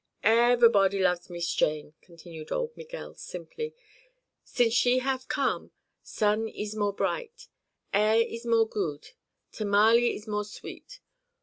"Ever'bod' love Mees Jane," continued old Miguel, simply. "Since she have came, sun ees more bright, air ees more good, tamale ees more sweet.